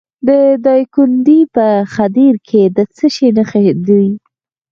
د دایکنډي په خدیر کې د څه شي نښې دي؟